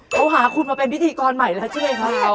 เขาหาคุณมาเป็นพิธีกรใหม่แล้วใช่ไหมครับ